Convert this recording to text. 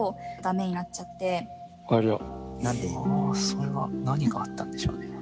それは何があったんでしょうね。